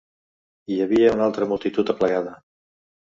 Hi havia una altra multitud aplegada